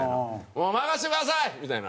「もう任せてください」みたいな。